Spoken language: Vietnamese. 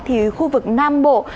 thì khu vực nam bộ